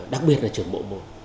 đặc biệt là trưởng bộ môn